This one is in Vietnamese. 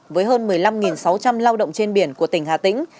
với hơn một mươi năm sáu trăm linh lao động trên biển của tỉnh hà tĩnh